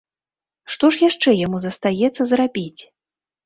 Што ж яшчэ яму застаецца зрабіць?